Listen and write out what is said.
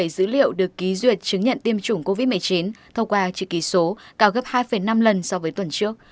một trăm tám mươi sáu bốn trăm bảy mươi bảy dữ liệu được ký duyệt chứng nhận tiêm chủng covid một mươi chín thông qua chữ ký số cao gấp hai năm lần so với tuần trước